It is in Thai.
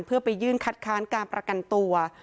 เพื่อไปยื่นคัดค้านการประกันตัว